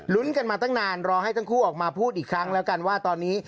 กันมาตั้งนานรอให้ทั้งคู่ออกมาพูดอีกครั้งแล้วกันว่าตอนนี้